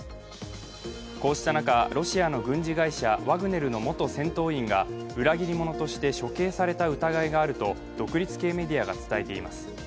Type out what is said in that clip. こうした中、ロシアの軍事会社ワグネルの元戦闘員が裏切り者として処刑された疑いがあると独立系メディアが伝えています。